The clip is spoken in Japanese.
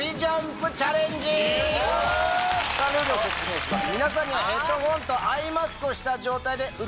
ルールを説明します。